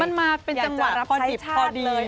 มันมาเป็นจำวดรับใช้ชาติเลย